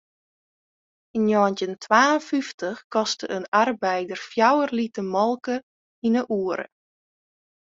Yn njoggentjin twa en fyftich koste in arbeider fjouwer liter molke yn 'e oere.